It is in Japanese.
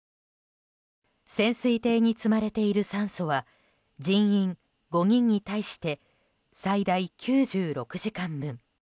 潜水艇に積まれている酸素は人員５人に対して最大９６時間分。